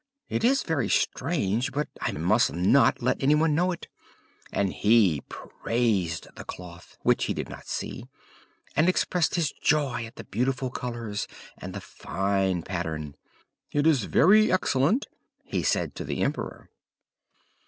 It is very strange, but I must not let any one know it;" and he praised the cloth, which he did not see, and expressed his joy at the beautiful colours and the fine pattern. "It is very excellent," he said to the emperor.